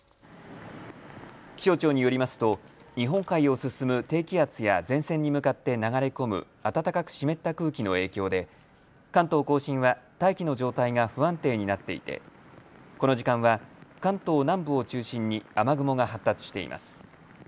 気象庁によりますと日本海を進む低気圧や前線に向かって流れ込む暖かく湿った空気の影響で関東甲信は大気の状態が不安定になっていてこの時間は関東南部を中心に雨雲が発達しています。